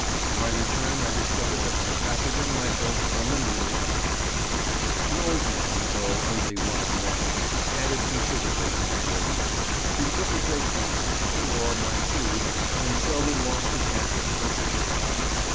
On my return I discovered that my cap had been rifled and the needle gone. An old man (though only one of many) added considerably to my burthen. He took a great fancy to me—or my food—and seldom lost a chance of persecuting me.